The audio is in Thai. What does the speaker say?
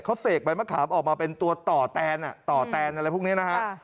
เขาเสกใบมะขามออกมาเป็นตัวต่อแตนต่อแตนอะไรพวกนี้นะฮะ